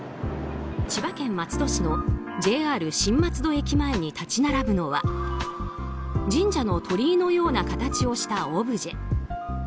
千葉県松戸市のＪＲ新松戸駅前に立ち並ぶのは神社の鳥居のような形をしたオブジェ。